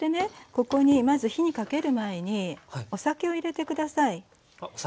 ここにまず火にかける前にお酒を入れて下さい。